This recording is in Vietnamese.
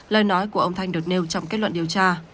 lời nói của ông thanh được nêu trong kết luận điều tra